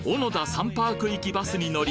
サンパーク行きバスに乗り